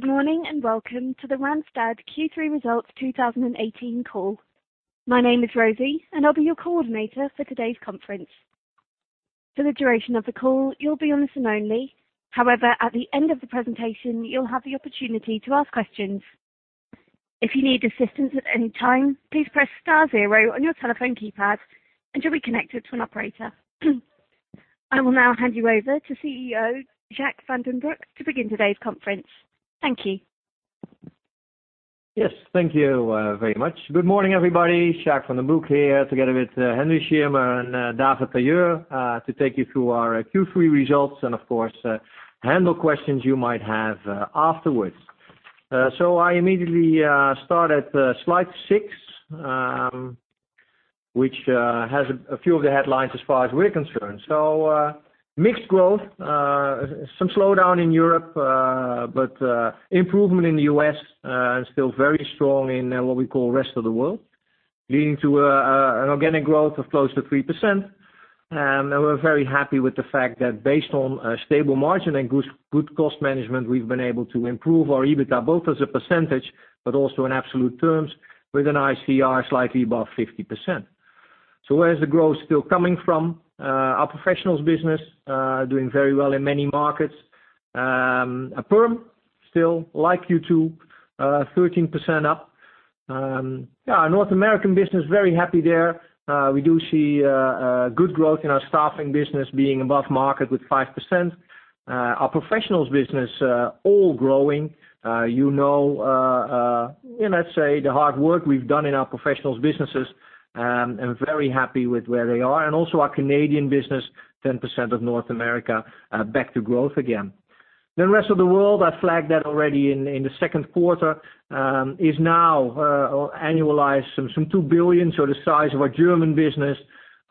Good morning, and welcome to the Randstad Q3 Results 2018 call. My name is Rosie, and I'll be your coordinator for today's conference. For the duration of the call, you'll be on listen only. However, at the end of the presentation, you'll have the opportunity to ask questions. If you need assistance at any time, please press star zero on your telephone keypad, and you'll be connected to an operator. I will now hand you over to CEO Jacques van den Broek to begin today's conference. Thank you. Yes, thank you very much. Good morning, everybody. Jacques van den Broek here together with Henry Schirmer and David Tailleur to take you through our Q3 results and of course, handle questions you might have afterwards. I immediately start at slide six, which has a few of the headlines as far as we're concerned. Mixed growth, some slowdown in Europe, but improvement in the U.S. still very strong in what we call rest of the world, leading to an organic growth of close to 3%. We're very happy with the fact that based on a stable margin and good cost management, we've been able to improve our EBITDA both as a percentage but also in absolute terms with an ICR slightly above 50%. Where is the growth still coming from? Our professionals business, doing very well in many markets. Our perm still like Q2, 13% up. Our North American business, very happy there. We do see good growth in our staffing business being above market with 5%. Our professionals business, all growing. You know, let's say the hard work we've done in our professionals businesses, and very happy with where they are. Our Canadian business, 10% of North America, back to growth again. The rest of the world, I flagged that already in the second quarter, is now annualized some 2 billion, so the size of our German business,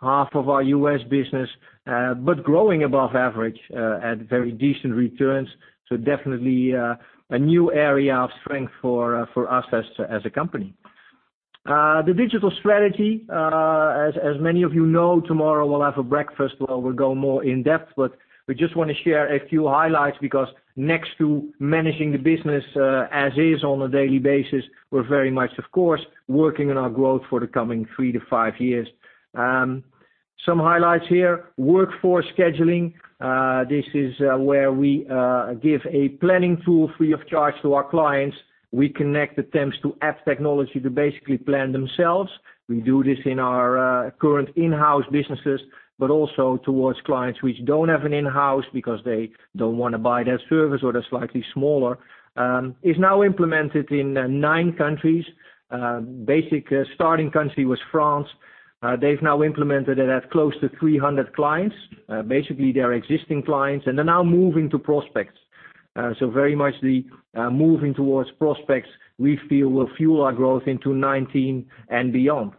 half of our U.S. business. Growing above average at very decent returns. Definitely, a new area of strength for us as a company. The digital strategy, as many of you know, tomorrow we'll have a breakfast where we'll go more in-depth. We just want to share a few highlights because next to managing the business as is on a daily basis, we're very much of course, working on our growth for the coming three to five years. Some highlights here. Workforce scheduling. This is where we give a planning tool free of charge to our clients. We connect temps to app technology to basically plan themselves. We do this in our current in-house businesses, but also towards clients which don't have an in-house because they don't want to buy that service or they're slightly smaller. Is now implemented in nine countries. Basic starting country was France. They've now implemented it at close to 300 clients. Basically, their existing clients and they're now moving to prospects. Very much the moving towards prospects we feel will fuel our growth into 2019 and beyond.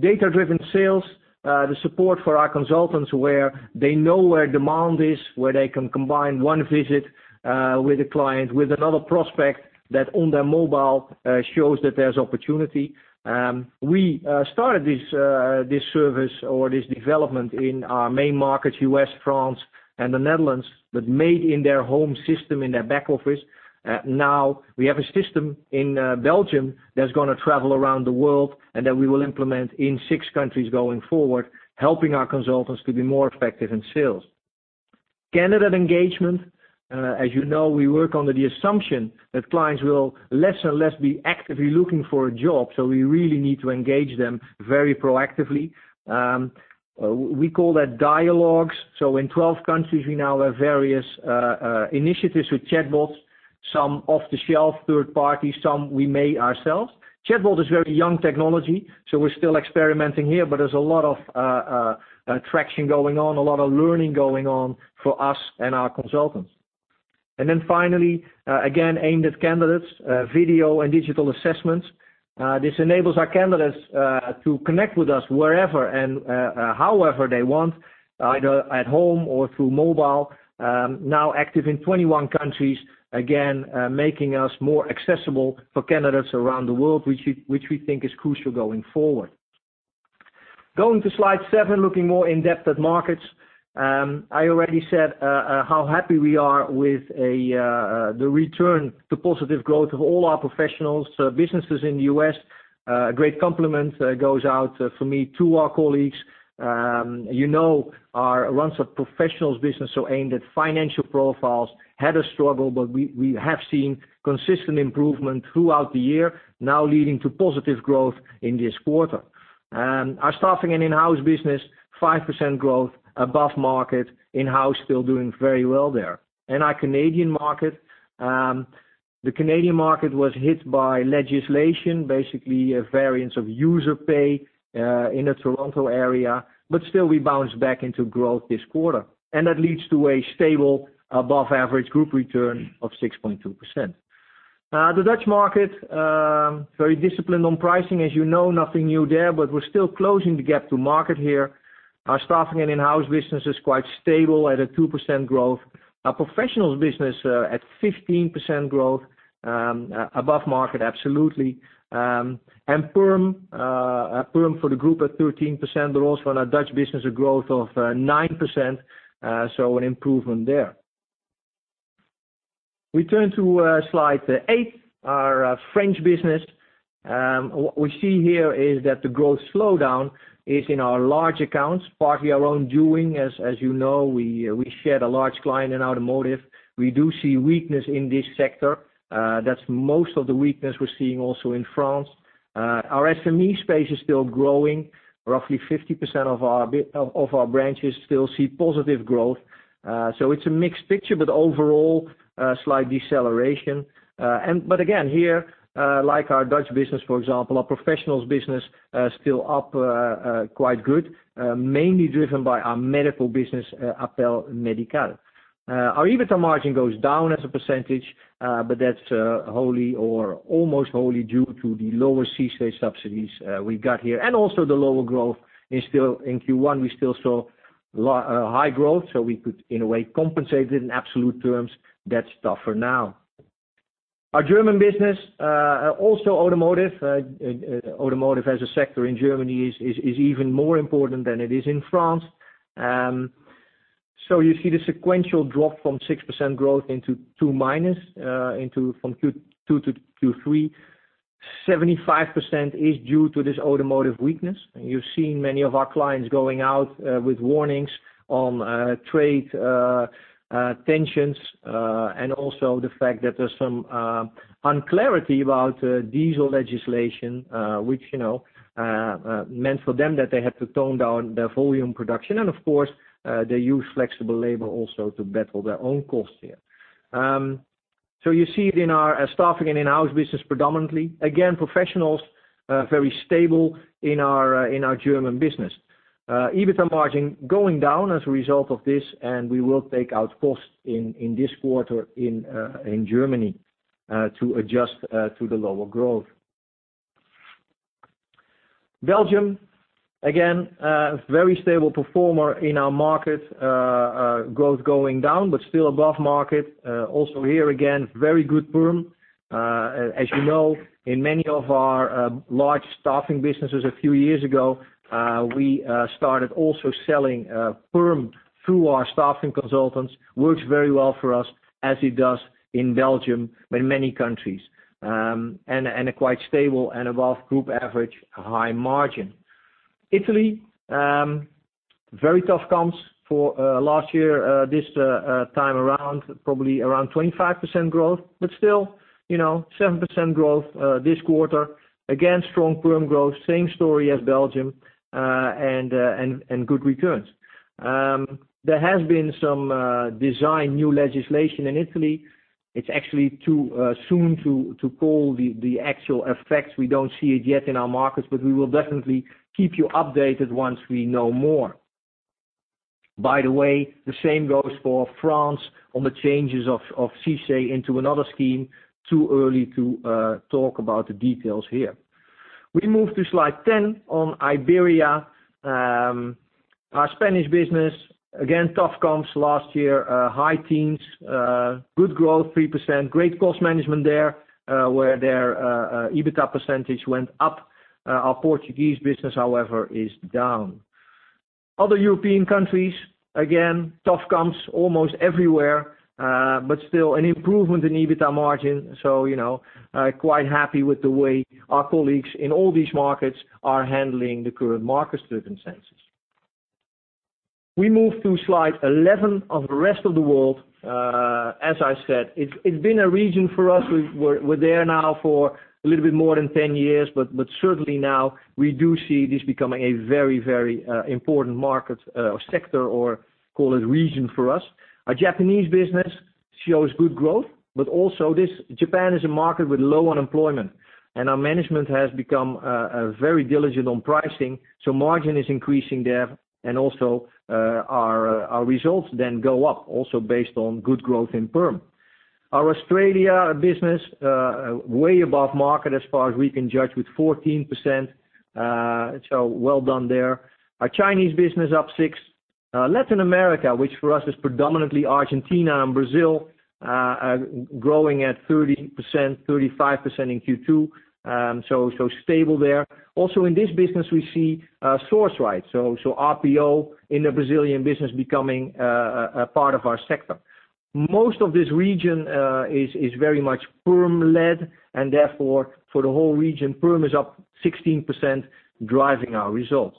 Data-driven sales, the support for our consultants where they know where demand is, where they can combine one visit with a client with another prospect that on their mobile shows that there is opportunity. We started this service or this development in our main markets, U.S., France, and the Netherlands, but made in their home system in their back office. Now we have a system in Belgium that is going to travel around the world, and that we will implement in six countries going forward, helping our consultants to be more effective in sales. Candidate engagement. As you know, we work under the assumption that clients will less and less be actively looking for a job, so we really need to engage them very proactively. We call that dialogues. In 12 countries, we now have various initiatives with chatbots, some off-the-shelf, third party, some we made ourselves. Chatbot is very young technology, we are still experimenting here, there is a lot of traction going on, a lot of learning going on for us and our consultants. Finally, again, aimed at candidates, video and digital assessments. This enables our candidates to connect with us wherever and however they want, either at home or through mobile. Now active in 21 countries, again, making us more accessible for candidates around the world, which we think is crucial going forward. Going to slide seven, looking more in-depth at markets. I already said how happy we are with the return to positive growth of all our professionals. Businesses in the U.S., a great compliment goes out for me to our colleagues. You know our Randstad Professionals business aimed at financial profiles, had a struggle, we have seen consistent improvement throughout the year, now leading to positive growth in this quarter. Our staffing and in-house business, 5% growth above market, in-house still doing very well there. Our Canadian market. The Canadian market was hit by legislation, basically a variance of user pay in the Toronto area, still we bounced back into growth this quarter. That leads to a stable above average group return of 6.2%. The Dutch market, very disciplined on pricing as you know. Nothing new there, we are still closing the gap to market here. Our staffing and in-house business is quite stable at a 2% growth. Our professionals business at 15% growth, above market, absolutely. Perm for the group at 13%, also in our Dutch business, a growth of 9%, an improvement there. We turn to slide eight, our French business. What we see here is that the growth slowdown is in our large accounts, partly our own doing. As you know, we shed a large client in automotive. We do see weakness in this sector. That is most of the weakness we are seeing also in France. Our SME space is still growing. Roughly 50% of our branches still see positive growth. It is a mixed picture, overall, a slight deceleration. Again, here, like our Dutch business, for example, our professionals business still up quite good, mainly driven by our medical business, Appel Médical. Our EBITDA margin goes down as a percentage, but that's wholly or almost wholly due to the lower CICE subsidies we've got here and also the lower growth in Q1. We still saw high growth, we could, in a way, compensate it in absolute terms. That's tougher now. Our German business, also automotive. Automotive as a sector in Germany is even more important than it is in France. You see the sequential drop from 6% growth into 2 minus from 2 to 3. 75% is due to this automotive weakness. You've seen many of our clients going out with warnings on trade tensions, and also the fact that there's some unclarity about diesel legislation which meant for them that they had to tone down their volume production, and of course, they use flexible labor also to better their own costs here. You see it in our staffing and in-house business predominantly. Again, professionals are very stable in our German business. EBITDA margin going down as a result of this, and we will take out costs in this quarter in Germany to adjust to the lower growth. Belgium, again, a very stable performer in our market. Growth going down, but still above market. Also here, again, very good perm. As you know, in many of our large staffing businesses a few years ago, we started also selling perm through our staffing consultants. Works very well for us as it does in Belgium and many countries. A quite stable and above group average high margin. Italy, very tough comps for last year. This time around, probably around 25% growth, but still 7% growth this quarter. Again, strong perm growth, same story as Belgium, and good returns. There has been some design new legislation in Italy. It's actually too soon to call the actual effects. We don't see it yet in our markets, but we will definitely keep you updated once we know more. By the way, the same goes for France on the changes of CICE into another scheme. Too early to talk about the details here. We move to slide 10 on Iberia. Our Spanish business, again, tough comps last year, high teens, good growth, 3%, great cost management there, where their EBITDA percentage went up. Our Portuguese business, however, is down. Other European countries, again, tough comps almost everywhere, but still an improvement in EBITDA margin. Quite happy with the way our colleagues in all these markets are handling the current market circumstances. We move to slide 11 of the rest of the world. As I said, it's been a region for us. We're there now for a little bit more than 10 years, but certainly now we do see this becoming a very important market or sector or call it region for us. Our Japanese business shows good growth, Japan is a market with low unemployment, and our management has become very diligent on pricing. Margin is increasing there, and also our results then go up, also based on good growth in perm. Our Australia business, way above market as far as we can judge with 14%, well done there. Our Chinese business up six. Latin America, which for us is predominantly Argentina and Brazil, growing at 30%, 35% in Q2, stable there. Also in this business, we see SourceRight, RPO in the Brazilian business becoming a part of our sector. Most of this region is very much perm-led. Therefore, for the whole region, perm is up 16%, driving our results.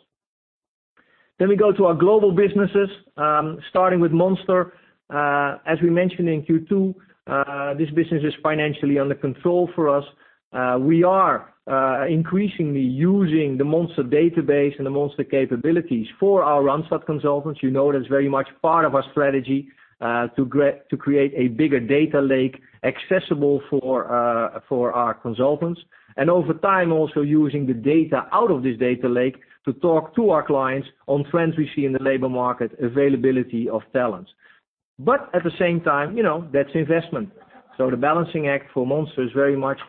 We go to our global businesses, starting with Monster. As we mentioned in Q2, this business is financially under control for us. We are increasingly using the Monster database and the Monster capabilities for our Randstad consultants. You know that's very much part of our strategy to create a bigger data lake accessible for our consultants. Over time, also using the data out of this data lake to talk to our clients on trends we see in the labor market, availability of talent. At the same time, that's investment. The balancing act for Monster is very much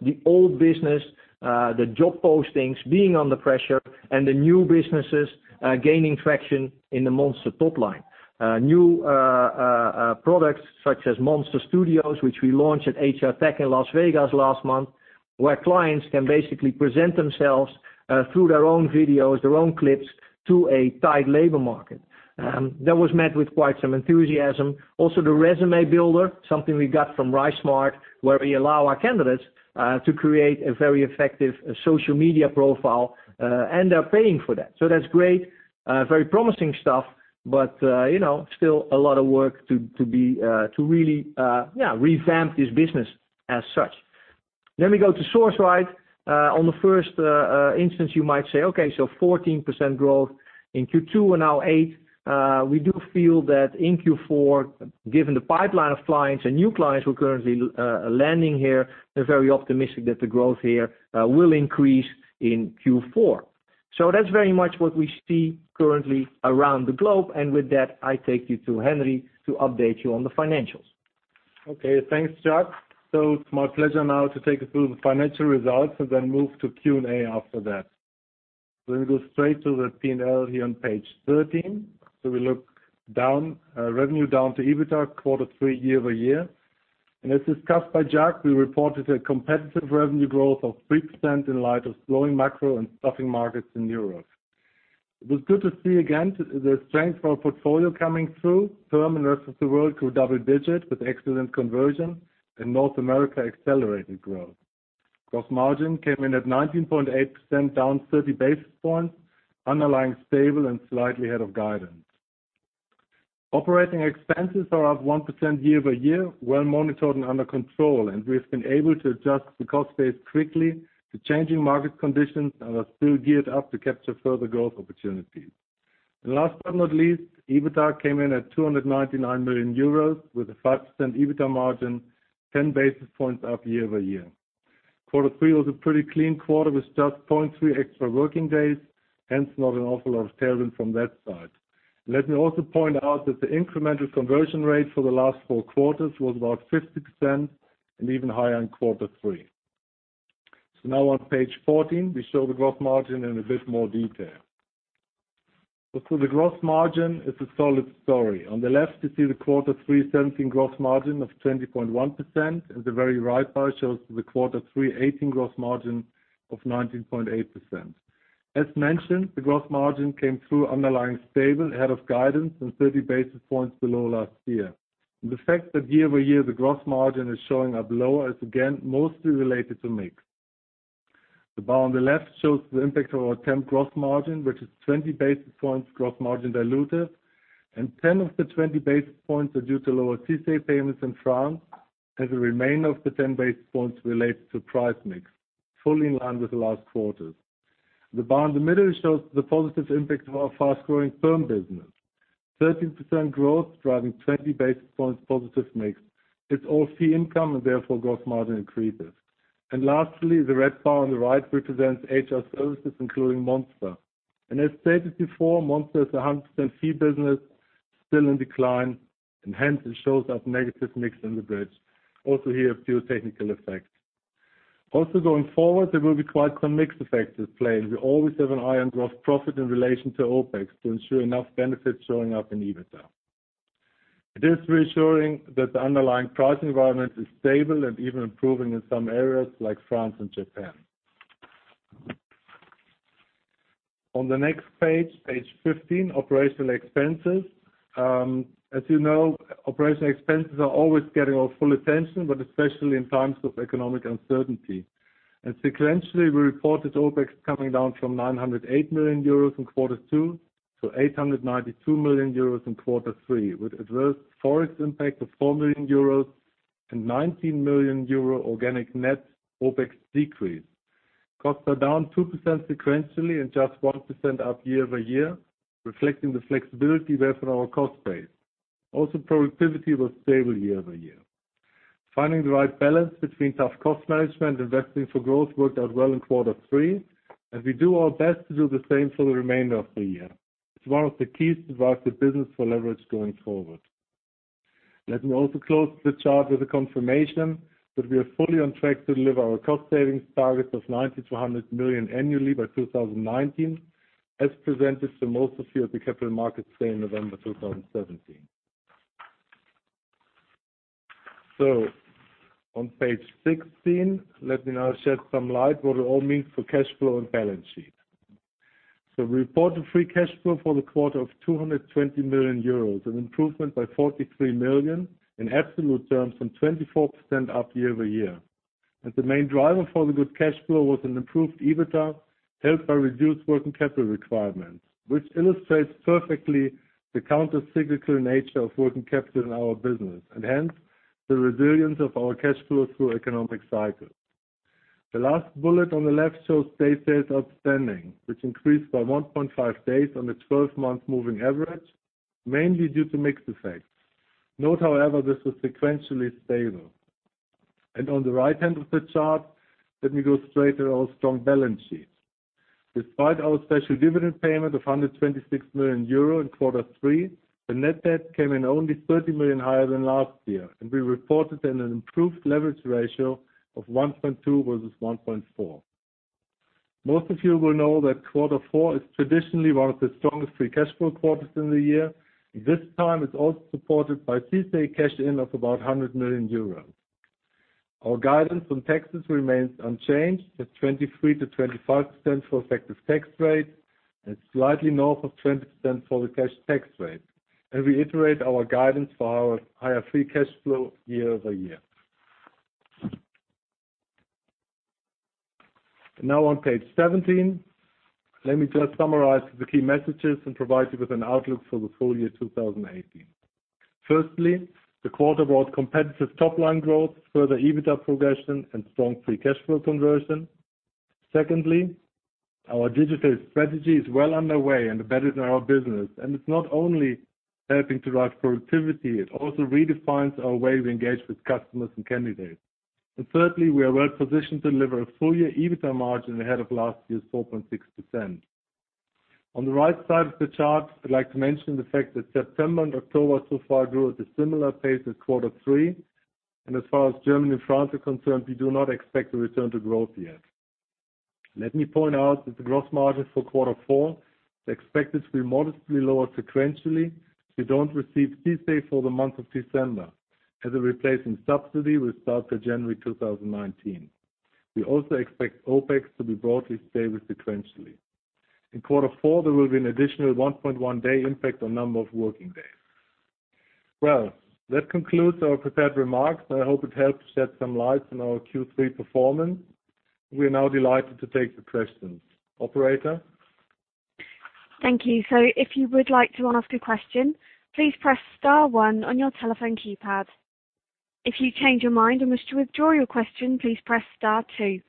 the old business, the job postings being under pressure, and the new businesses gaining traction in the Monster top line. New products such as Monster Studios, which we launched at HR Tech in Las Vegas last month, where clients can basically present themselves through their own videos, their own clips, to a tight labor market. That was met with quite some enthusiasm. The resume builder, something we got from RiseSmart, where we allow our candidates to create a very effective social media profile, and they're paying for that. That's great, very promising stuff. Still a lot of work to really revamp this business as such. We go to SourceRight. On the first instance, you might say, okay, 14% growth in Q2 and now 8%. We do feel that in Q4, given the pipeline of clients and new clients we're currently landing here, they're very optimistic that the growth here will increase in Q4. That's very much what we see currently around the globe. And with that, I take you to Henry to update you on the financials. Okay, thanks, Jacques. It's my pleasure now to take us through the financial results and then move to Q&A after that. Let me go straight to the P&L here on page 13. We look revenue down to EBITDA Q3 year-over-year. As discussed by Jacques, we reported a competitive revenue growth of 3% in light of slowing macro and staffing markets in Europe. It was good to see again, the strength of our portfolio coming through perm and rest of the world grew double digits with excellent conversion and North America accelerated growth. Gross margin came in at 19.8% down 30 basis points, underlying stable and slightly ahead of guidance. Operating expenses are up 1% year-over-year, well monitored and under control. We've been able to adjust the cost base quickly to changing market conditions and are still geared up to capture further growth opportunities. Last but not least, EBITDA came in at 299 million euros with a 5% EBITDA margin, 10 basis points up year-over-year. Quarter three was a pretty clean quarter with just 0.3 extra working days, hence not an awful lot of tailwind from that side. Let me also point out that the incremental conversion rate for the last four quarters was about 50% and even higher in Quarter three. Now on page 14, we show the gross margin in a bit more detail. For the gross margin, it's a solid story. On the left, you see the quarter 317 gross margin of 20.1%. The very right bar shows the quarter 318 gross margin of 19.8%. As mentioned, the gross margin came through underlying stable ahead of guidance and 30 basis points below last year. The fact that year-over-year the gross margin is showing up lower is again, mostly related to mix. The bar on the left shows the impact of our temp gross margin, which is 20 basis points gross margin diluted. 10 of the 20 basis points are due to lower CICE payments in France. The remainder of the 10 basis points relates to price mix, fully in line with the last quarters. The bar in the middle shows the positive impact of our fast-growing perm business. 13% growth driving 20 basis points positive mix. It's all fee income and therefore gross margin increases. Lastly, the red bar on the right represents HR services including Monster. As stated before, Monster is a 100% fee business still in decline and hence it shows up negative mix in the bridge. Here, a few technical effects. Going forward, there will be quite some mix effects at play, and we always have an eye on gross profit in relation to OpEx to ensure enough benefits showing up in EBITDA. It is reassuring that the underlying price environment is stable and even improving in some areas like France and Japan. On the next page 15, operational expenses. As you know, operational expenses are always getting our full attention, but especially in times of economic uncertainty. Sequentially, we reported OpEx coming down from 908 million euros in Quarter two to 892 million euros in Quarter three, with adverse ForEx impact of 4 million euros and 19 million euro organic net OpEx decrease. Costs are down 2% sequentially and just 1% up year-over-year, reflecting the flexibility we have in our cost base. Productivity was stable year-over-year. Finding the right balance between tough cost management, investing for growth worked out well in Quarter three. We do our best to do the same for the remainder of the year. It's one of the keys to drive the business for leverage going forward. Let me also close the chart with a confirmation that we are fully on track to deliver our cost savings targets of 90 million to 100 million annually by 2019, as presented to most of you at the Capital Markets Day in November 2017. On page 16, let me now shed some light what it all means for cash flow and balance sheet. We reported free cash flow for the quarter of 220 million euros, an improvement by 43 million in absolute terms and 24% up year-over-year. The main driver for the good cash flow was an improved EBITDA helped by reduced working capital requirements, which illustrates perfectly the counter-cyclical nature of working capital in our business, hence, the resilience of our cash flow through economic cycles. The last bullet on the left shows day sales outstanding, which increased by 1.5 days on a 12-month moving average, mainly due to mix effects. Note, however, this was sequentially stable. On the right-hand of the chart, let me go straight to our strong balance sheet. Despite our special dividend payment of 126 million euro in quarter three, the net debt came in only 30 million higher than last year, we reported an improved leverage ratio of 1.2 versus 1.4. Most of you will know that quarter four is traditionally one of the strongest free cash flow quarters in the year. This time it's also supported by CICE cash in of about 100 million euros. Our guidance on taxes remains unchanged at 23%-25% for effective tax rate and slightly north of 20% for the cash tax rate. We iterate our guidance for our higher free cash flow year-over-year. On page 17, let me just summarize the key messages and provide you with an outlook for the full year 2018. Firstly, the quarter brought competitive top line growth, further EBITDA progression, strong free cash flow conversion. Secondly, our digital strategy is well underway and embedded in our business. It's not only helping drive productivity, it also redefines our way we engage with customers and candidates. Thirdly, we are well positioned to deliver a full year EBITDA margin ahead of last year's 4.6%. On the right side of the chart, I'd like to mention the fact that September and October so far grew at a similar pace as quarter three. As far as Germany and France are concerned, we do not expect a return to growth yet. Let me point out that the gross margin for quarter four is expected to be modestly lower sequentially. We don't receive CICE for the month of December as a replacement subsidy will start in January 2019. We also expect OpEx to be broadly stable sequentially. In quarter four, there will be an additional 1.1 day impact on number of working days. That concludes our prepared remarks. I hope it helped shed some light on our Q3 performance. We are now delighted to take the questions. Operator. Thank you. If you would like to ask a question, please press star one on your telephone keypad. If you change your mind and wish to withdraw your question, please press star two.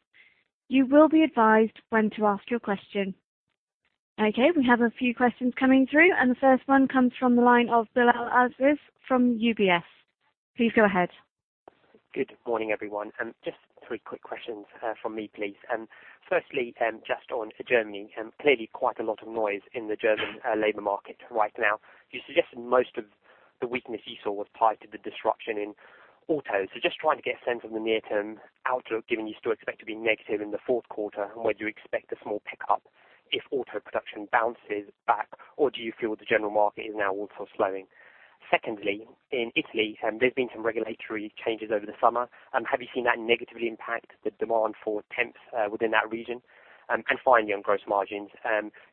You will be advised when to ask your question. We have a few questions coming through, the first one comes from the line of Bilal Aziz from UBS. Please go ahead. Good morning, everyone. Just three quick questions from me, please. Firstly, just on Germany, clearly quite a lot of noise in the German labor market right now. You suggested most of the weakness you saw was tied to the disruption in autos. Just trying to get a sense of the near-term outlook, given you still expect to be negative in the fourth quarter, and would you expect a small pickup if auto production bounces back, or do you feel the general market is now also slowing? Secondly, in Italy, there's been some regulatory changes over the summer. Have you seen that negatively impact the demand for temps within that region? Finally, on gross margins.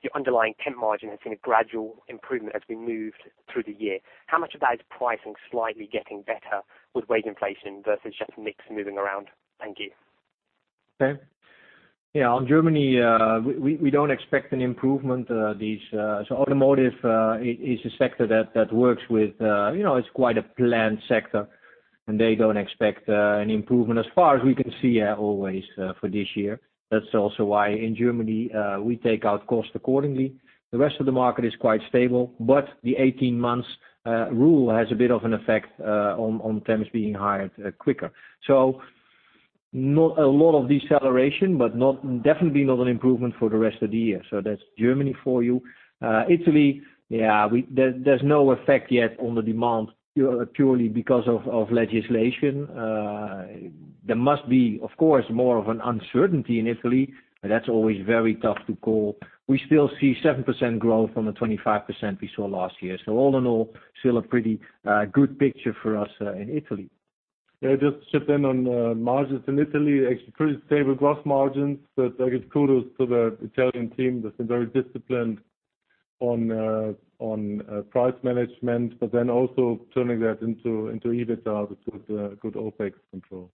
Your underlying temp margin has seen a gradual improvement as we moved through the year. How much of that is pricing slightly getting better with wage inflation versus just mix moving around? Thank you. Yeah, on Germany, we don't expect an improvement. Automotive is a sector that works with quite a planned sector, they don't expect an improvement as far as we can see always for this year. That's also why in Germany, we take out cost accordingly. The rest of the market is quite stable, the 18 months rule has a bit of an effect on temps being hired quicker. Not a lot of deceleration, but definitely not an improvement for the rest of the year. That's Germany for you. Italy, there's no effect yet on the demand purely because of legislation. There must be, of course, more of an uncertainty in Italy, that's always very tough to call. We still see 7% growth on the 25% we saw last year. All in all, still a pretty good picture for us in Italy. Just to chip in on margins in Italy. Actually pretty stable gross margins. I give kudos to the Italian team that's been very disciplined on price management, also turning that into EBITDA with good OpEx control.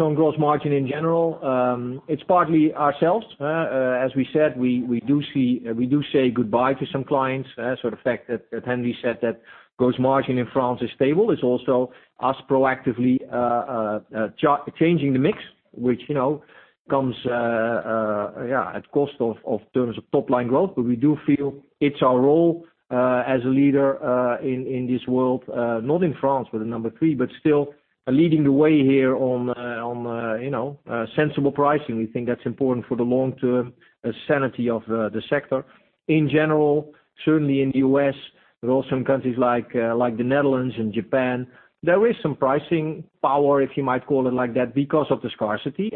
On gross margin in general, it's partly ourselves. As we said, we do say goodbye to some clients. The fact that Henry said that gross margin in France is stable is also us proactively changing the mix, which comes at cost of terms of top line growth. We do feel it's our role as a leader in this world. Not in France, we're the number three, but still leading the way here on sensible pricing. We think that's important for the long-term sanity of the sector. In general, certainly in the U.S., but also in countries like the Netherlands and Japan, there is some pricing power, if you might call it like that, because of the scarcity.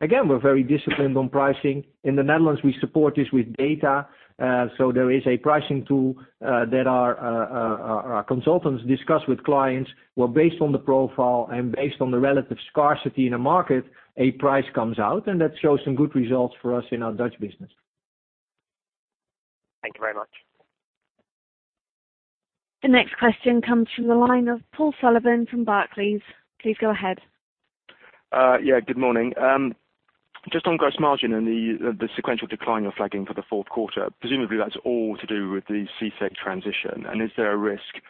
Again, we're very disciplined on pricing. In the Netherlands, we support this with data. There is a pricing tool that our consultants discuss with clients, where based on the profile and based on the relative scarcity in the market, a price comes out and that shows some good results for us in our Dutch business. Thank you very much. The next question comes from the line of Paul Sullivan from Barclays. Please go ahead. Good morning. Just on gross margin and the sequential decline you are flagging for the fourth quarter. Presumably that is all to do with the CICE transition. Is there a risk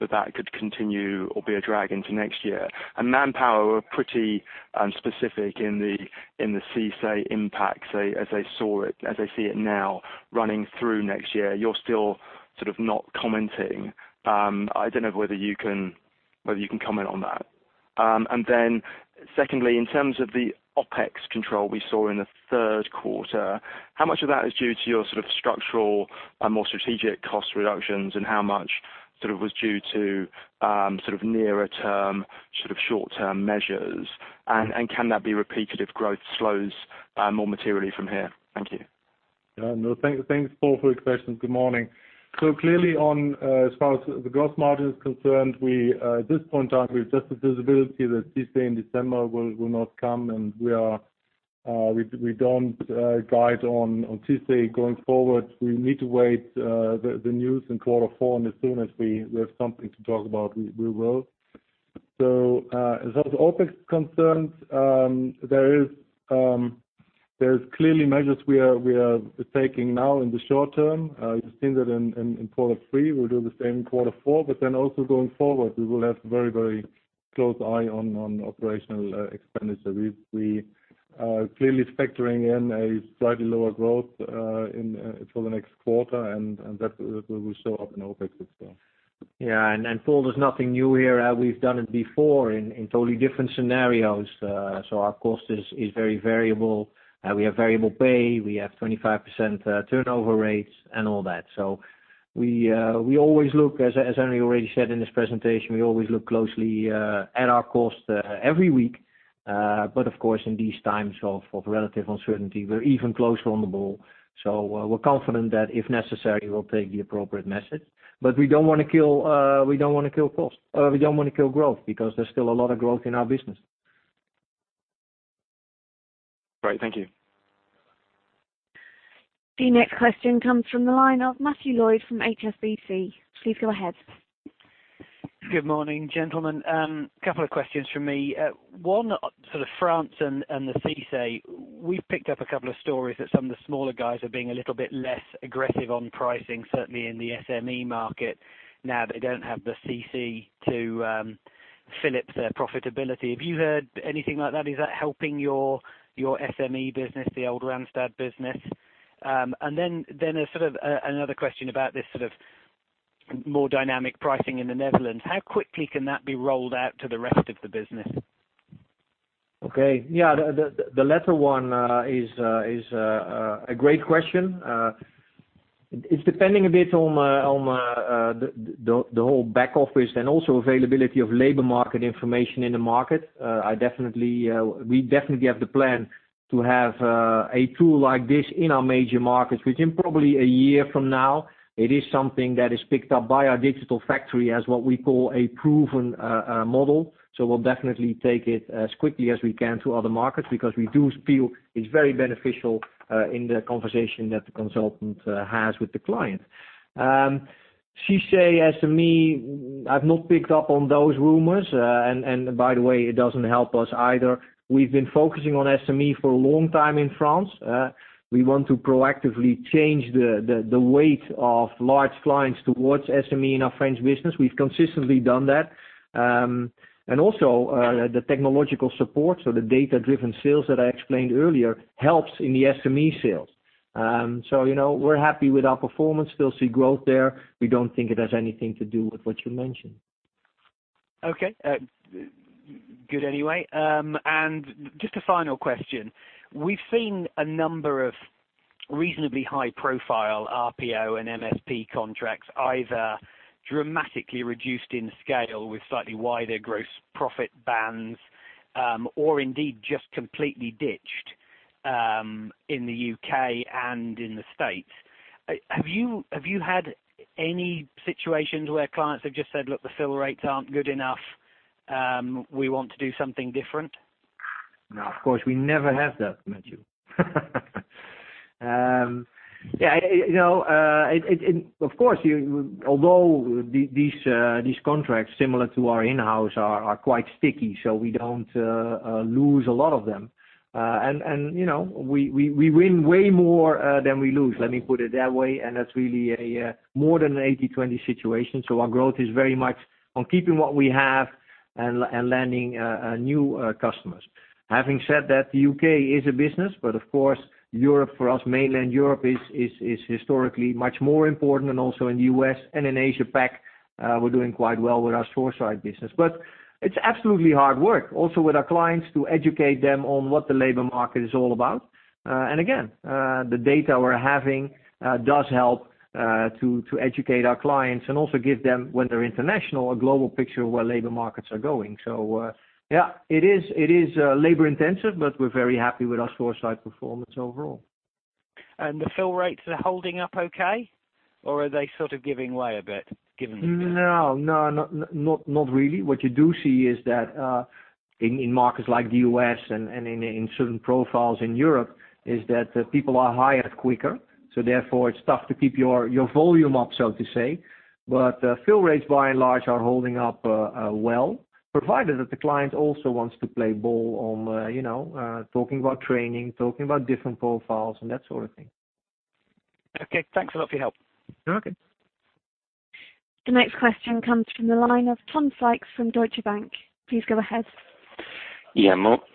that that could continue or be a drag into next year? ManpowerGroup were pretty specific in the CICE impact as they see it now running through next year. You are still sort of not commenting. I do not know whether you can comment on that. Secondly, in terms of the OpEx control we saw in the third quarter, how much of that is due to your sort of structural and more strategic cost reductions, and how much sort of was due to nearer term, short term measures? Can that be repeated if growth slows more materially from here? Thank you. Thanks, Paul, for your questions. Good morning. Clearly on as far as the gross margin is concerned, at this point in time, we have just the visibility that CICE in December will not come, and we do not guide on CICE going forward. We need to wait the news in quarter four, and as soon as we have something to talk about, we will. As far as OpEx is concerned, there are clearly measures we are taking now in the short term. You have seen that in quarter three, we will do the same in quarter four, but also going forward, we will have very close eye on operational expenditure. We are clearly factoring in a slightly lower growth for the next quarter, and that will show up in OpEx as well. Paul, there is nothing new here. We have done it before in totally different scenarios. Our cost is very variable. We have variable pay, we have 25% turnover rates and all that. We always look, as Henry already said in his presentation, we always look closely at our cost every week. Of course, in these times of relative uncertainty, we are even closer on the ball. We are confident that if necessary, we will take the appropriate message. We do not want to kill growth because there is still a lot of growth in our business. Great. Thank you. The next question comes from the line of Matthew Lloyd from HSBC. Please go ahead. Good morning, gentlemen. Couple of questions from me. One, France and the CICE. We've picked up a couple of stories that some of the smaller guys are being a little bit less aggressive on pricing, certainly in the SME market now they don't have the CICE to fill up their profitability. Have you heard anything like that? Is that helping your SME business, the old Randstad business? There's another question about this more dynamic pricing in the Netherlands. How quickly can that be rolled out to the rest of the business? Okay. The latter one is a great question. It's depending a bit on the whole back office and also availability of labor market information in the market. We definitely have the plan to have a tool like this in our major markets within probably a year from now. It is something that is picked up by our Digital Factory as what we call a proven model. We'll definitely take it as quickly as we can to other markets because we do feel it's very beneficial in the conversation that the consultant has with the client. CICE, SME, I've not picked up on those rumors. By the way, it doesn't help us either. We've been focusing on SME for a long time in France. We want to proactively change the weight of large clients towards SME in our French business. We've consistently done that. Also, the technological support, the data-driven sales that I explained earlier helps in the SME sales. We're happy with our performance. We still see growth there. We don't think it has anything to do with what you mentioned. Okay. Good anyway. Just a final question. We've seen a number of reasonably high profile RPO and MSP contracts either dramatically reduced in scale with slightly wider gross profit bands, or indeed just completely ditched, in the U.K. and in the U.S. Have you had any situations where clients have just said, "Look, the fill rates aren't good enough. We want to do something different? No, of course, we never have that, Matthew. Yeah. Of course, although these contracts similar to our in-house are quite sticky, so we don't lose a lot of them. We win way more than we lose, let me put it that way. That's really a more than an 80/20 situation. Our growth is very much on keeping what we have and landing new customers. Having said that, the U.K. is a business, but of course, Europe for us, mainland Europe is historically much more important and also in the U.S. and in Asia PAC, we're doing quite well with our SourceRight business. It's absolutely hard work also with our clients to educate them on what the labor market is all about. Again, the data we're having does help to educate our clients and also give them, when they're international, a global picture of where labor markets are going. Yeah, it is labor-intensive, but we're very happy with our SourceRight performance overall. The fill rates are holding up okay, or are they sort of giving way a bit given the- No, not really. What you do see is that, in markets like the U.S. and in certain profiles in Europe, is that people are hired quicker, so therefore it's tough to keep your volume up, so to say. Fill rates by and large are holding up well, provided that the client also wants to play ball on talking about training, talking about different profiles and that sort of thing. Okay. Thanks a lot for your help. You're welcome. The next question comes from the line of Tom Sykes from Deutsche Bank. Please go ahead.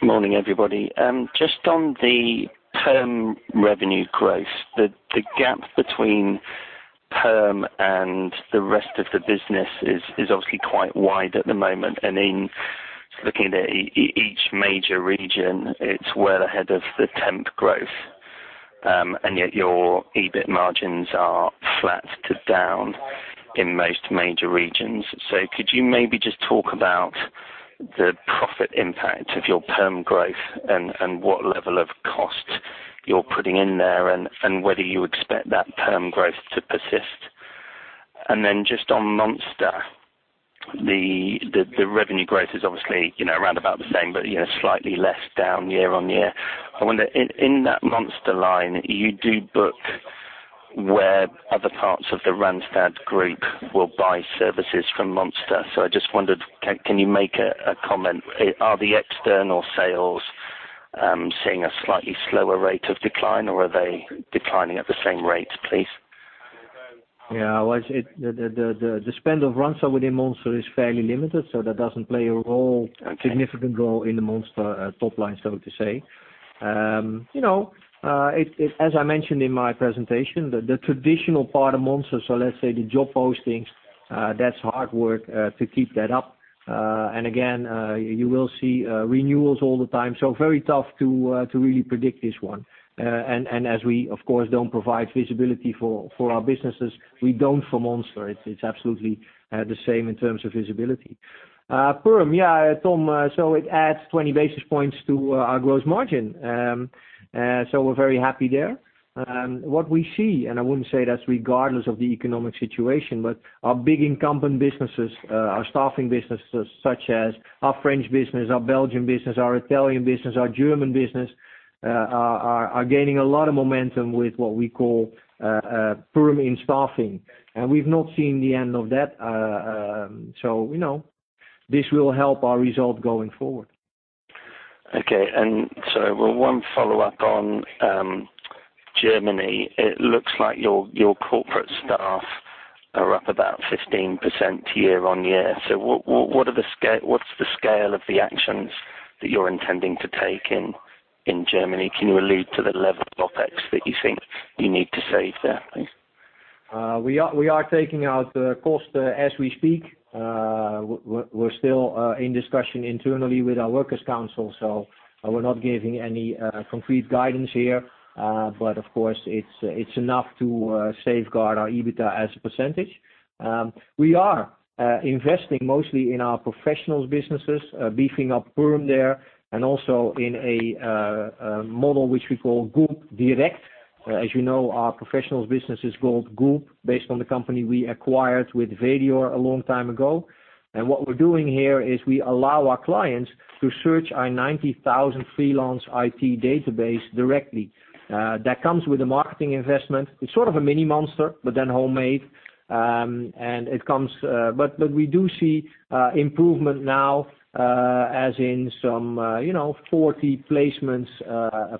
Morning, everybody. Just on the perm revenue growth, the gap between perm and the rest of the business is obviously quite wide at the moment. In looking at each major region, it's well ahead of the temp growth. Yet your EBIT margins are flat to down in most major regions. Could you maybe just talk about the profit impact of your perm growth and what level of cost you're putting in there and whether you expect that perm growth to persist? Just on Monster. The revenue growth is obviously around about the same, but slightly less down year-over-year. I wonder in that Monster line, whether other parts of the Randstad group will buy services from Monster. I just wondered, can you make a comment? Are the external sales seeing a slightly slower rate of decline, or are they declining at the same rate, please? Yeah. The spend of Randstad within Monster is fairly limited, so that doesn't play a significant role in the Monster top line, so to say. As I mentioned in my presentation, the traditional part of Monster, so let's say the job postings, that's hard work to keep that up. Again, you will see renewals all the time. Very tough to really predict this one. As we, of course, don't provide visibility for our businesses, we don't for Monster. It's absolutely the same in terms of visibility. Perm, yeah, Tom, it adds 20 basis points to our gross margin. We're very happy there. What we see, I wouldn't say that's regardless of the economic situation, but our big incumbent businesses, our staffing businesses such as our French business, our Belgian business, our Italian business, our German business, are gaining a lot of momentum with what we call perm in staffing. We've not seen the end of that. This will help our result going forward. Okay. One follow-up on Germany. It looks like your corporate staff are up about 15% year-on-year. What's the scale of the actions that you're intending to take in Germany? Can you allude to the level of OpEx that you think you need to save there, please? We are taking out cost as we speak. We're still in discussion internally with our workers council, so we're not giving any concrete guidance here. Of course, it's enough to safeguard our EBITDA as a percentage. We are investing mostly in our Professionals businesses, beefing up perm there, and also in a model which we call Gulp Direct. As you know, our Professionals business is called GULP, based on the company we acquired with Vedior a long time ago. What we're doing here is we allow our clients to search our 90,000 freelance IT database directly. That comes with a marketing investment. It's sort of a mini Monster, but then homemade. We do see improvement now as in some 40 placements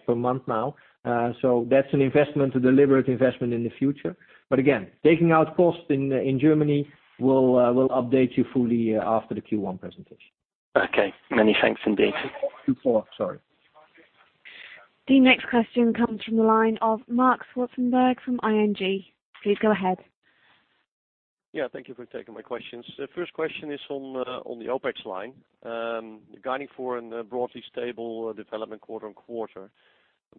per month now. That's an investment, a deliberate investment in the future. Again, taking out costs in Germany, we'll update you fully after the Q1 presentation. Okay. Many thanks indeed. Two follow-up, sorry. The next question comes from the line of Marc Zwartsenburg from ING. Please go ahead. Thank you for taking my questions. The first question is on the OpEx line. You're guiding for a broadly stable development quarter-on-quarter.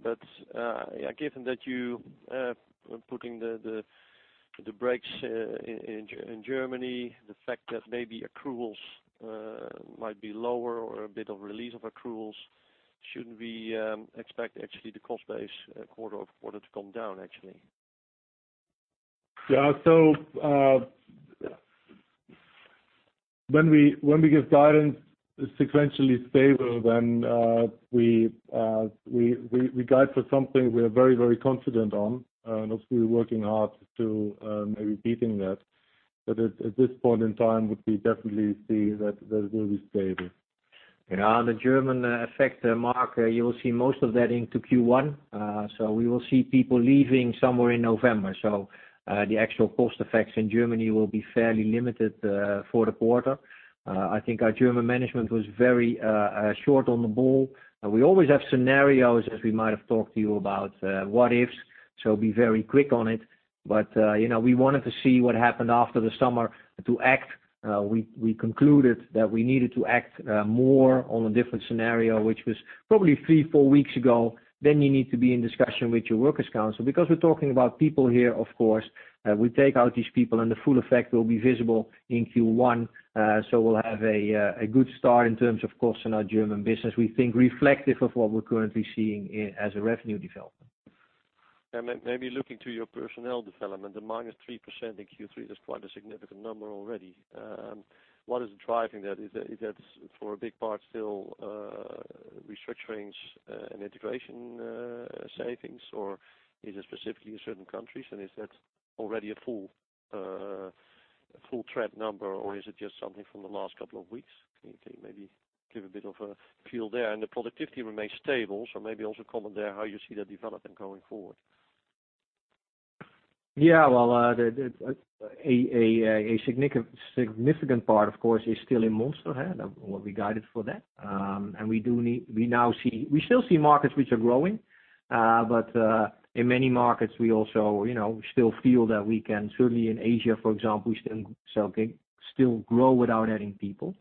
Given that you are putting the brakes in Germany, the fact that maybe accruals might be lower or a bit of release of accruals, shouldn't we expect actually the cost base quarter-over-quarter to come down, actually? When we give guidance sequentially stable, then we guide for something we're very, very confident on. Obviously, we're working hard to maybe beating that. At this point in time, we definitely see that it will be stable. On the German effect, Marc, you will see most of that into Q1. We will see people leaving somewhere in November. The actual cost effects in Germany will be fairly limited for the quarter. I think our German management was very short on the ball. We always have scenarios as we might have talked to you about what ifs, so be very quick on it. We wanted to see what happened after the summer to act. We concluded that we needed to act more on a different scenario, which was probably three, four weeks ago. You need to be in discussion with your workers council. Because we're talking about people here, of course, we take out these people and the full effect will be visible in Q1. We'll have a good start in terms of costs in our German business, we think reflective of what we're currently seeing as a revenue development. Maybe looking to your personnel development, the -3% in Q3, that's quite a significant number already. What is driving that? Is that for a big part still, restructurings and integration savings, or is it specifically in certain countries, and is that already a full trend number, or is it just something from the last couple of weeks? Can you maybe give a bit of a feel there? The productivity remains stable, maybe also comment there how you see that development going forward. Yeah, well, a significant part, of course, is still in Monster. What we guided for that. We still see markets which are growing. In many markets, we also still feel that we can, certainly in Asia, for example, we still grow without adding people.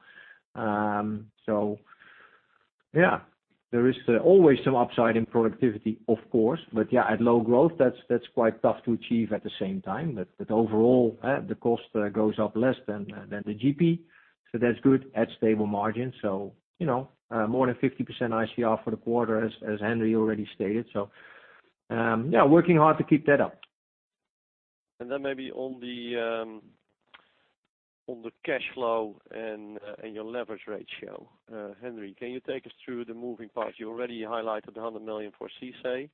There is always some upside in productivity, of course. At low growth, that's quite tough to achieve at the same time. Overall, the cost goes up less than the GP. That's good at stable margin. More than 50% ICR for the quarter, as Henry already stated. Working hard to keep that up. Maybe on the- On the cash flow and your leverage ratio. Henry, can you take us through the moving parts? You already highlighted the 100 million for CICE.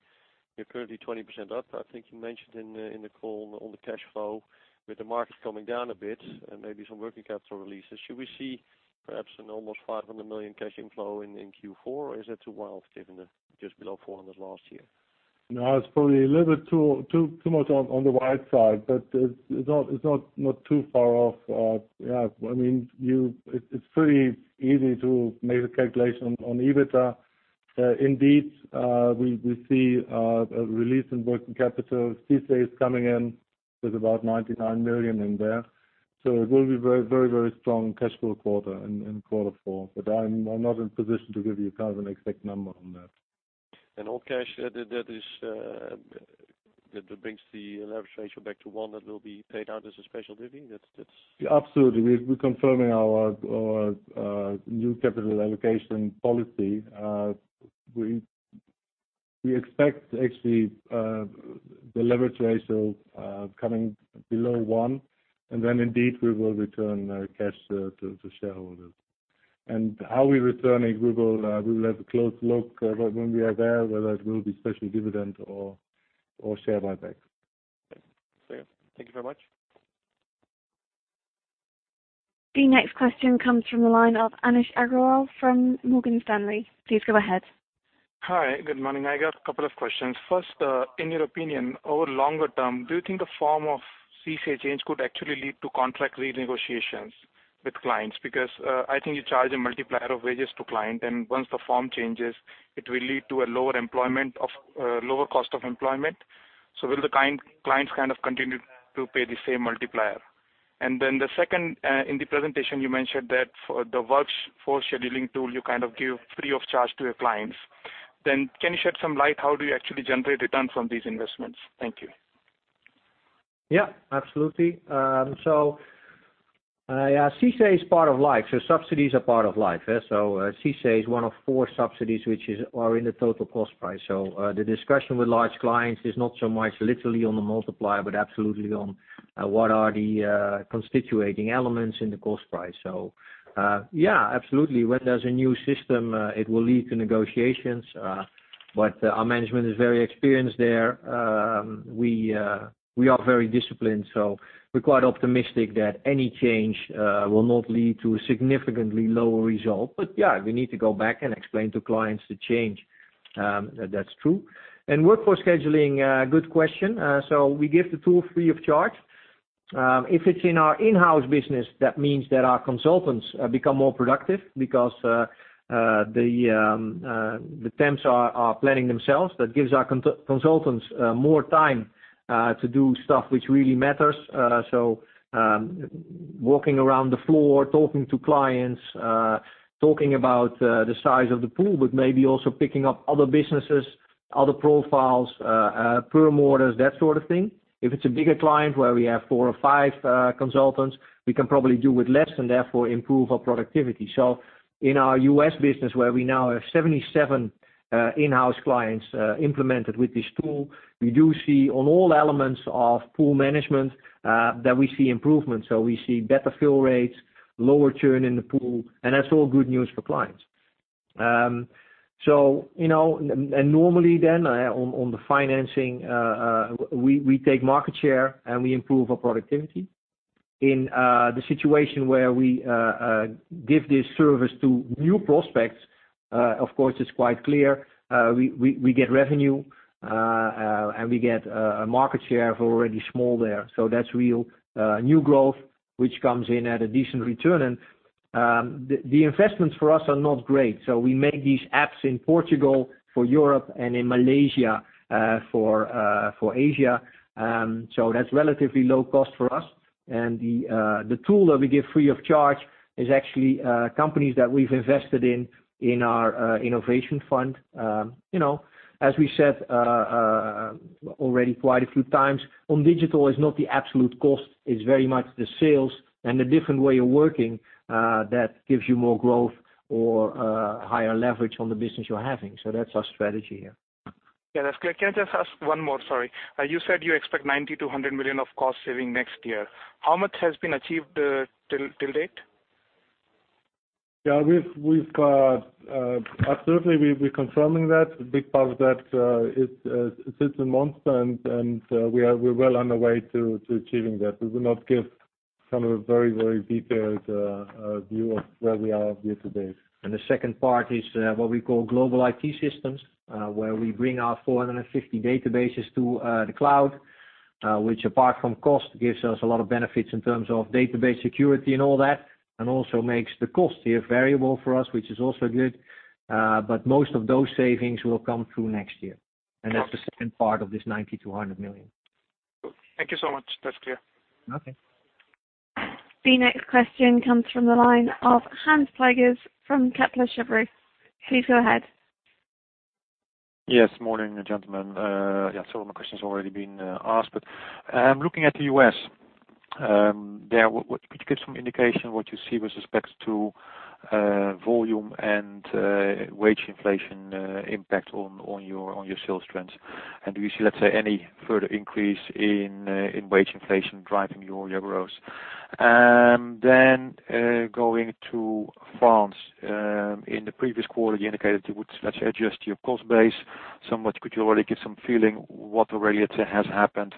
You're currently 20% up. I think you mentioned in the call on the cash flow with the market coming down a bit and maybe some working capital releases. Should we see perhaps an almost 500 million cash inflow in Q4, or is that too wild given that just below 400 last year? It's probably a little bit too much on the wide side, but it's not too far off. It's pretty easy to make a calculation on EBITDA. Indeed, we see a release in working capital. CICE is coming in with about 99 million in there. It will be very strong cash flow quarter in quarter four. I'm not in a position to give you an exact number on that. All cash that brings the leverage ratio back to one that will be paid out as a special dividend? Absolutely. We're confirming our new capital allocation policy. We expect actually the leverage ratio coming below one. Indeed, we will return cash to shareholders. How we return it, we will have a close look when we are there, whether it will be special dividend or share buyback. Okay. Thank you very much. The next question comes from the line of Anish Agrawal from Morgan Stanley. Please go ahead. Hi, good morning. I got a couple of questions. First, in your opinion, over longer term, do you think the form of CICE change could actually lead to contract renegotiations with clients? Because I think you charge a multiplier of wages to client, and once the form changes, it will lead to a lower cost of employment. Will the clients kind of continue to pay the same multiplier? The second, in the presentation, you mentioned that for the workforce scheduling tool, you give free of charge to your clients. Can you shed some light how do you actually generate return from these investments? Thank you. Absolutely. CICE is part of life, subsidies are part of life. CICE is one of four subsidies which are in the total cost price. The discussion with large clients is not so much literally on the multiplier, but absolutely on what are the constituting elements in the cost price. Absolutely, when there's a new system, it will lead to negotiations. Our management is very experienced there. We are very disciplined, so we're quite optimistic that any change will not lead to a significantly lower result. Yeah, we need to go back and explain to clients the change. That's true. Workforce scheduling, good question. We give the tool free of charge. If it's in our in-house business, that means that our consultants become more productive because the temps are planning themselves. That gives our consultants more time to do stuff which really matters. Walking around the floor, talking to clients, talking about the size of the pool, but maybe also picking up other businesses, other profiles, perm orders, that sort of thing. If it's a bigger client where we have four or five consultants, we can probably do with less and therefore improve our productivity. In our U.S. business, where we now have 77 in-house clients implemented with this tool, we do see on all elements of pool management that we see improvements. We see better fill rates, lower churn in the pool, and that's all good news for clients. Normally then on the financing, we take market share, and we improve our productivity. In the situation where we give this service to new prospects, of course, it's quite clear. We get revenue, we get a market share if we're already small there. That's real new growth, which comes in at a decent return. The investments for us are not great. We make these apps in Portugal for Europe and in Malaysia for Asia. That's relatively low cost for us. The tool that we give free of charge is actually companies that we've invested in our innovation fund. As we said already quite a few times, on digital is not the absolute cost. It's very much the sales and the different way of working that gives you more growth or higher leverage on the business you're having. That's our strategy here. That's clear. Can I just ask one more? Sorry. You said you expect 90 million-100 million of cost saving next year. How much has been achieved to date? Absolutely, we're confirming that. A big part of that sits in Monster, and we are well on our way to achieving that. We will not give some of the very detailed view of where we are year to date. The second part is what we call global IT systems where we bring our 450 databases to the cloud which apart from cost gives us a lot of benefits in terms of database security and all that, and also makes the cost here variable for us, which is also good. Most of those savings will come through next year. That's the second part of this 90 million-100 million. Cool. Thank you so much. That's clear. Okay. The next question comes from the line of Hans Pluijgers from Kepler Cheuvreux. Please go ahead. Yes, morning, gentlemen. Some of my questions have already been asked. Looking at the U.S., could you give some indication what you see with respects to Volume and wage inflation impact on your sales trends. Do you see, let's say, any further increase in wage inflation driving your growth? Going to France. In the previous quarter, you indicated you would, let's say, adjust your cost base somewhat. Could you already give some feeling what already has happened?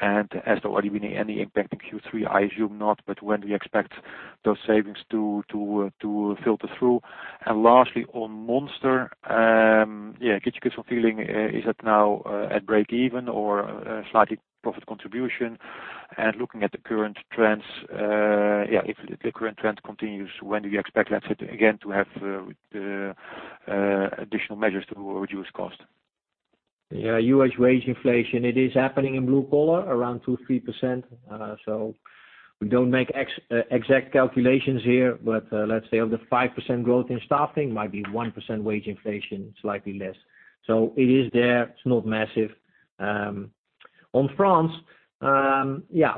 Has there already been any impact in Q3? I assume not, but when do you expect those savings to filter through? Lastly, on Monster, could you give some feeling, is that now at break even or slightly profit contribution? Looking at the current trends, if the current trend continues, when do you expect, let's say again, to have additional measures to reduce cost? Yeah. U.S. wage inflation, it is happening in blue collar around 2%-3%. We don't make exact calculations here, but let's say of the 5% growth in staffing, might be 1% wage inflation, slightly less. It is there, it's not massive. On France,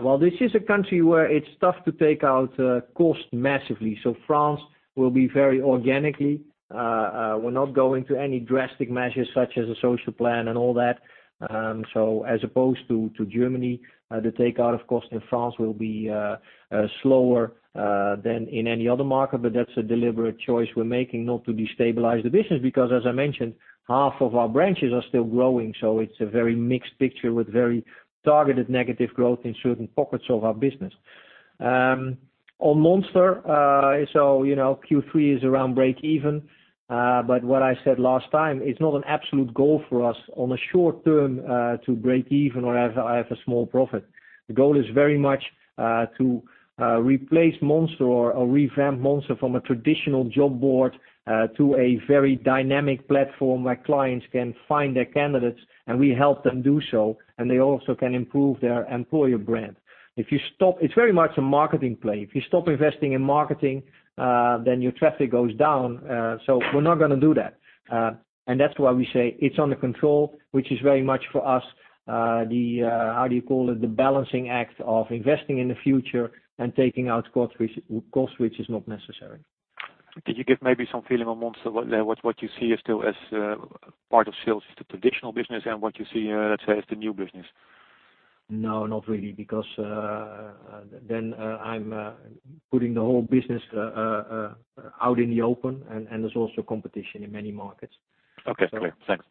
well, this is a country where it's tough to take out cost massively. France will be very organically. We're not going to any drastic measures such as a social plan and all that. As opposed to Germany, the take out of cost in France will be slower than in any other market, but that's a deliberate choice we're making not to destabilize the business because as I mentioned, half of our branches are still growing. It's a very mixed picture with very targeted negative growth in certain pockets of our business. On Monster, Q3 is around break even. What I said last time, it's not an absolute goal for us on a short term to break even or have a small profit. The goal is very much to replace Monster or revamp Monster from a traditional job board to a very dynamic platform where clients can find their candidates, and we help them do so. They also can improve their employer brand. It's very much a marketing play. If you stop investing in marketing, then your traffic goes down. We're not going to do that. That's why we say it's under control, which is very much for us, how do you call it, the balancing act of investing in the future and taking out costs which is not necessary. Could you give maybe some feeling on Monster, what you see as still as part of sales, the traditional business and what you see, let's say, as the new business? No, not really. Then I'm putting the whole business out in the open, and there's also competition in many markets. Okay. Clear. Thanks.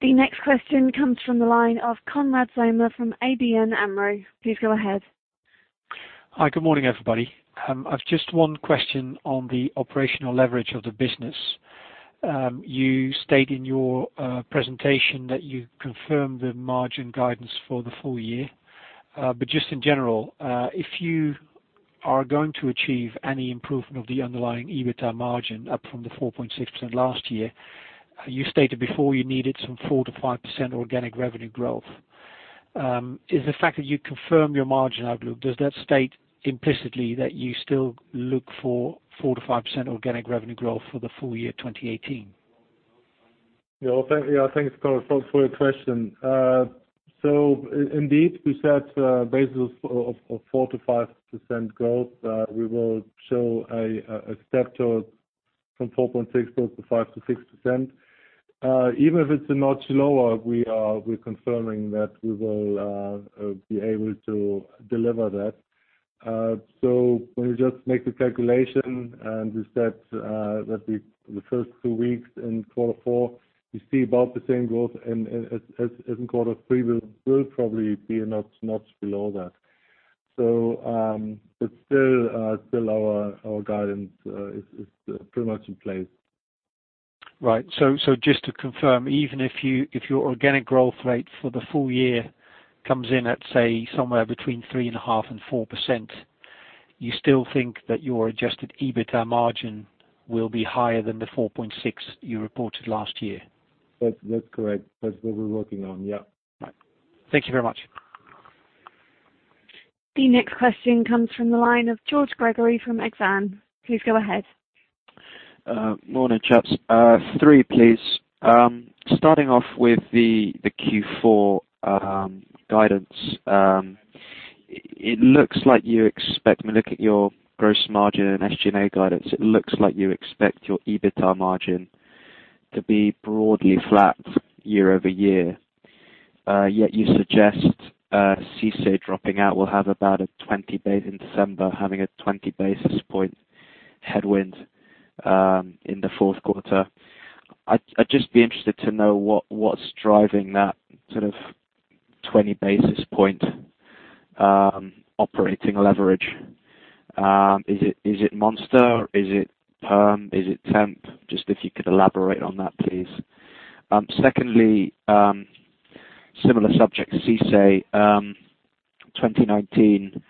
The next question comes from the line of Konrad Zomer from ABN AMRO. Please go ahead. Hi, good morning, everybody. I have just one question on the operational leverage of the business. You stated in your presentation that you confirmed the margin guidance for the full year. Just in general, if you are going to achieve any improvement of the underlying EBITA margin up from the 4.6% last year, you stated before you needed some 4%-5% organic revenue growth. Is the fact that you confirmed your margin outlook, does that state implicitly that you still look for 4%-5% organic revenue growth for the full year 2018? Thanks, Konrad, for your question. Indeed, we set a basis of 4%-5% growth. We will show a step toward from 4.6% growth to 5%-6%. Even if it's a notch lower, we're confirming that we will be able to deliver that. When we just make the calculation, and we said that the first two weeks in quarter four, we see about the same growth as in quarter three, we'll probably be a notch below that. Still our guidance is pretty much in place. Right. Just to confirm, even if your organic growth rate for the full year comes in at, say, somewhere between 3.5% and 4%, you still think that your adjusted EBITA margin will be higher than the 4.6% you reported last year? That's correct. That's what we're working on, yeah. Right. Thank you very much. The next question comes from the line of George Gregory from Exane. Please go ahead. Morning, chaps. Three, please. Starting off with the Q4 guidance. It looks like you expect, when I look at your gross margin and SG&A guidance, it looks like you expect your EBITA margin to be broadly flat year-over-year. Yet you suggest CICE dropping out in December, having a 20 basis point headwind in the fourth quarter. I'd just be interested to know what's driving that sort of 20 basis point operating leverage. Is it Monster? Is it perm? Is it temp? Just if you could elaborate on that, please. Secondly, similar subject, CICE 2019.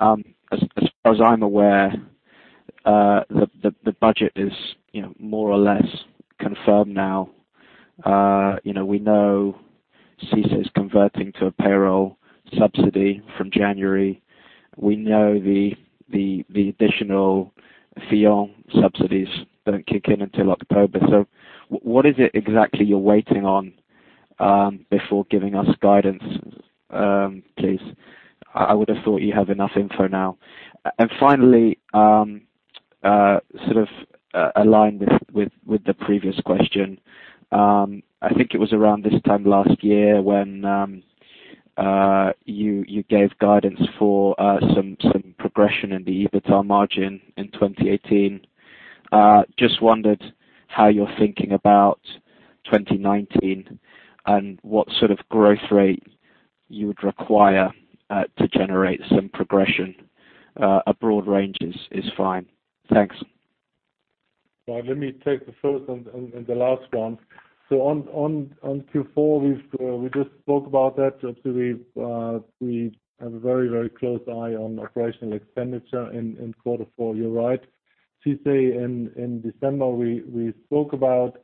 As far as I'm aware, the budget is more or less confirmed now. We know CICE is converting to a payroll subsidy from January. We know the additional Fillon subsidies don't kick in until October. What is it exactly you're waiting on before giving us guidance, please. I would have thought you have enough info now. Finally, sort of aligned with the previous question. I think it was around this time last year when you gave guidance for some progression in the EBITA margin in 2018. Just wondered how you're thinking about 2019, and what sort of growth rate you would require to generate some progression. A broad range is fine. Thanks. Well, let me take the first and the last one. On Q4, we just spoke about that. Obviously, we have a very close eye on operational expenditure in quarter four. You're right. CICE, in December, we spoke about.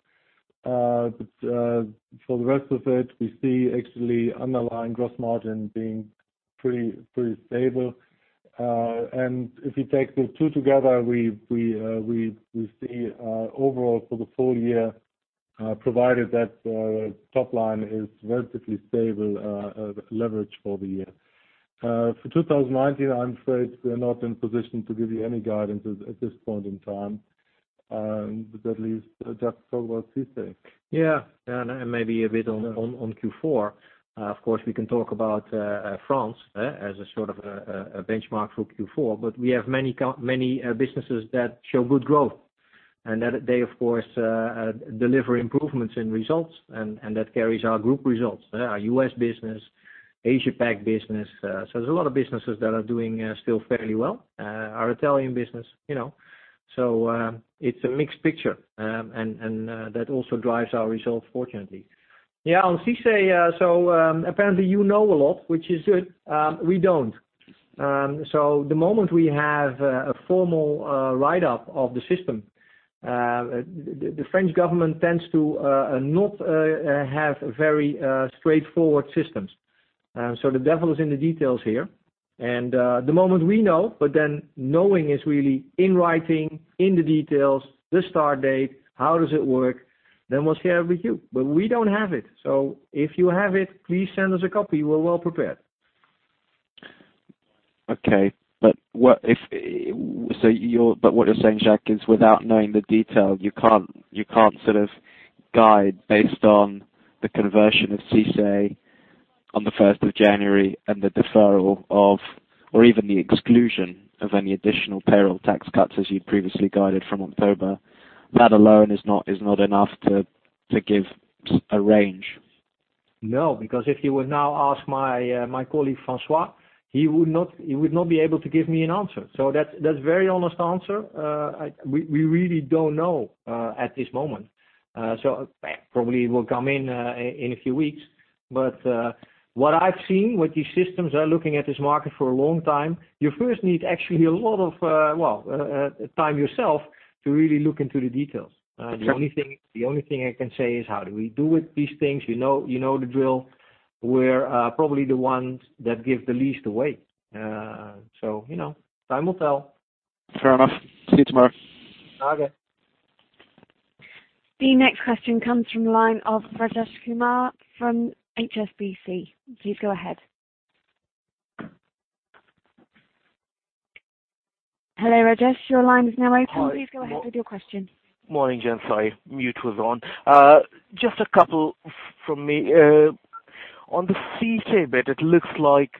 For the rest of it, we see actually underlying gross margin being pretty stable. If you take the two together, we see overall for the full year, provided that top line is relatively stable, leverage for the year. For 2019, I'm afraid we're not in position to give you any guidance at this point in time. At least just talk about CICE. Yeah. Maybe a bit on Q4. Of course, we can talk about France as a sort of a benchmark for Q4, but we have many businesses that show good growth, and they, of course, deliver improvements in results and that carries our group results. Our U.S. business, Asia Pac business. There's a lot of businesses that are doing still fairly well. Our Italian business. It's a mixed picture, and that also drives our results fortunately. Yeah, on CICE, apparently you know a lot, which is good. We don't. The moment we have a formal write-up of the system. The French government tends to not have very straightforward systems. The devil is in the details here. The moment we know, but then knowing is really in writing, in the details, the start date, how does it work, then we'll share it with you. We don't have it. If you have it, please send us a copy. We're well prepared. Okay. What you're saying, Jacques, is without knowing the detail, you can't sort of guide based on the conversion of CICE on the 1st of January and the deferral of, or even the exclusion of any additional payroll tax cuts as you'd previously guided from October. That alone is not enough to give a range. No. If you would now ask my colleague, François, he would not be able to give me an answer. That's a very honest answer. We really don't know at this moment. Probably will come in in a few weeks. What I've seen with these systems are looking at this market for a long time, you first need actually a lot of time yourself to really look into the details. Sure. The only thing I can say is how do we do with these things? You know the drill. We're probably the ones that give the least away. Time will tell. Fair enough. See you tomorrow. Okay. The next question comes from the line of Rajesh Kumar from HSBC. Please go ahead. Hello, Rajesh, your line is now open. Hi. Please go ahead with your question. Morning, gents. Sorry, mute was on. Just a couple from me. On the CICE bit, it looks like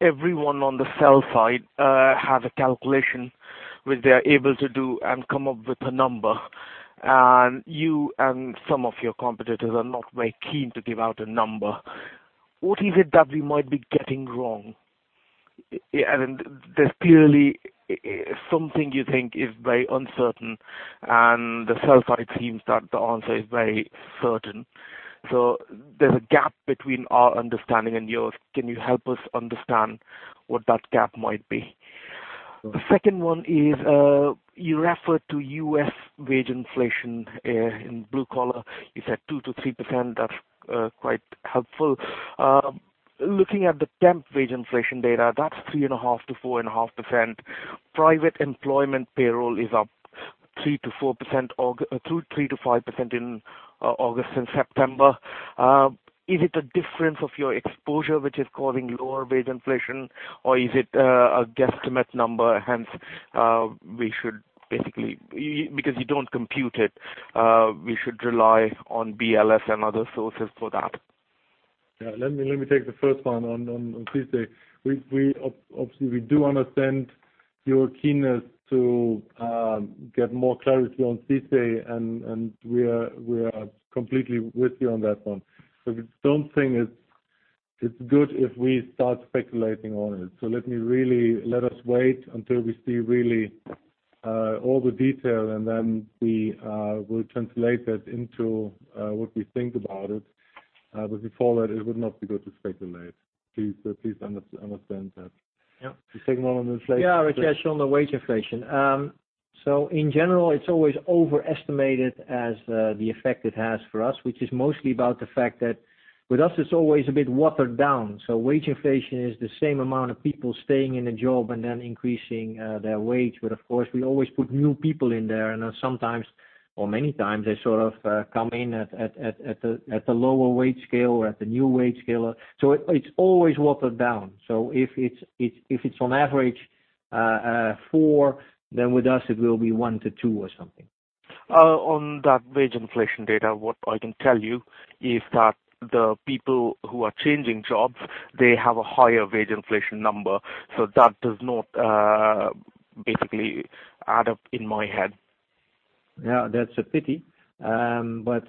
everyone on the sell side have a calculation which they're able to do and come up with a number. You and some of your competitors are not very keen to give out a number. What is it that we might be getting wrong? There's clearly something you think is very uncertain, and the sell side seems that the answer is very certain. There's a gap between our understanding and yours. Can you help us understand what that gap might be? The second one is, you referred to U.S. wage inflation in blue collar. You said 2%-3%, that's quite helpful. Looking at the temp wage inflation data, that's 3.5%-4.5%. Private employment payroll is up 3%-4%, through 3%-5% in August and September. Is it a difference of your exposure which is causing lower wage inflation, or is it a guesstimate number, hence because you don't compute it, we should rely on BLS and other sources for that? Let me take the first one on CICE. Obviously, we do understand your keenness to get more clarity on CICE, and we are completely with you on that one. I don't think it's good if we start speculating on it. Let us wait until we see really all the detail, and then we will translate that into what we think about it. Before that, it would not be good to speculate. Please understand that. Yeah. The second one on inflation. Rajesh, on the wage inflation. In general, it's always overestimated as the effect it has for us, which is mostly about the fact that With us, it's always a bit watered down. Wage inflation is the same amount of people staying in a job and then increasing their wage. Of course, we always put new people in there, and sometimes or many times, they sort of come in at the lower wage scale or at the new wage scale. It's always watered down. If it's on average four, then with us it will be one to two or something. On that wage inflation data, what I can tell you is that the people who are changing jobs, they have a higher wage inflation number. That does not basically add up in my head. That's a pity. That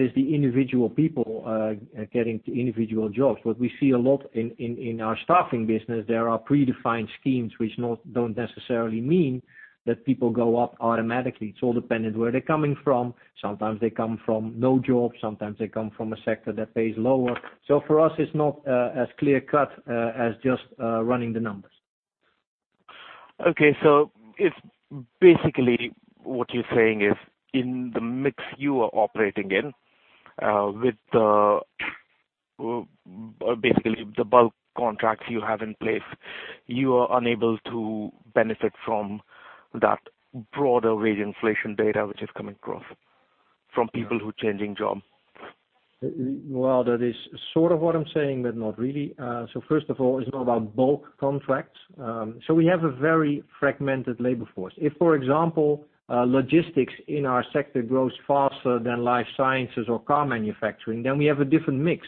is the individual people getting individual jobs. What we see a lot in our staffing business, there are predefined schemes which don't necessarily mean that people go up automatically. It's all dependent where they're coming from. Sometimes they come from no job, sometimes they come from a sector that pays lower. For us, it's not as clear cut as just running the numbers. Okay. Basically, what you're saying is in the mix you are operating in with the bulk contracts you have in place, you are unable to benefit from that broader wage inflation data, which is coming across from people who are changing job. Well, that is sort of what I'm saying, not really. First of all, it's not about bulk contracts. We have a very fragmented labor force. If, for example, logistics in our sector grows faster than life sciences or car manufacturing, we have a different mix.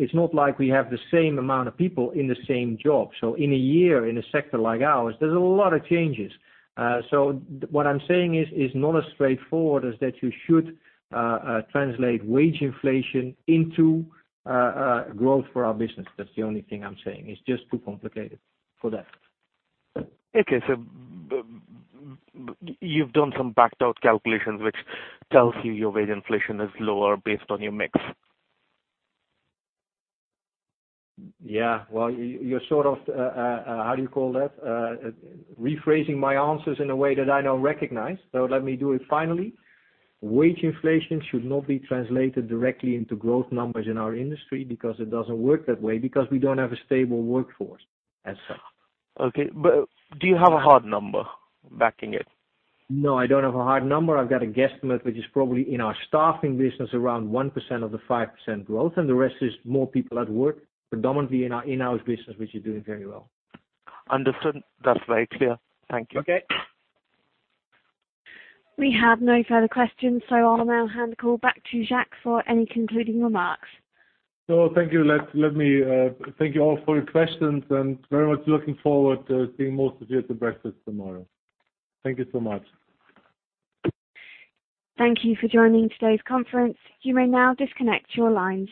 It's not like we have the same amount of people in the same job. In a year, in a sector like ours, there's a lot of changes. What I'm saying is, it's not as straightforward as that you should translate wage inflation into growth for our business. That's the only thing I'm saying. It's just too complicated for that. Okay. You've done some backed out calculations, which tells you your wage inflation is lower based on your mix. Well, you're sort of, how do you call that? Rephrasing my answers in a way that I don't recognize. Let me do it finally. Wage inflation should not be translated directly into growth numbers in our industry because it doesn't work that way because we don't have a stable workforce as such. Okay. Do you have a hard number backing it? No, I don't have a hard number. I've got a guesstimate, which is probably in our staffing business, around 1% of the 5% growth, and the rest is more people at work, predominantly in our in-house business, which is doing very well. Understood. That's very clear. Thank you. Okay. We have no further questions. I'll now hand the call back to Jacques for any concluding remarks. Thank you. Thank you all for your questions and very much looking forward to seeing most of you at the breakfast tomorrow. Thank you so much. Thank you for joining today's conference. You may now disconnect your lines.